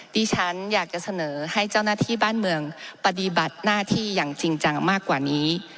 ดิฉันอยากจะเสนอให้เจ้าหน้าที่บ้านเมืองปฏิบัติหน้าที่อย่างจริงจังมากกว่านี้